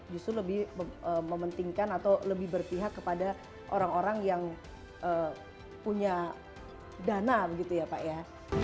justru lebih mementingkan atau lebih berpihak kepada orang orang yang punya dana begitu ya pak ya